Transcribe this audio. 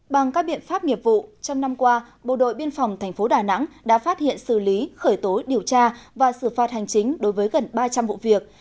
bằng các biện pháp nghiệp vụ trong năm qua bộ đội biên phòng tp đà nẵng đã phát hiện xử lý khởi tố điều tra và xử phạt hành chính đối với gần ba trăm linh vụ việc